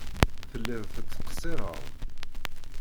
Telliḍ tettqeṣṣireḍ.